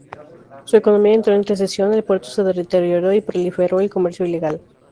Su economía entró en recesión, el puerto se deterioró, y proliferó el comercio ilegal.